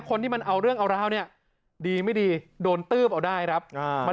คนที่มันเอาเรื่องเอาราวเนี่ยดีไม่ดีโดนตืบเอาได้ครับมัน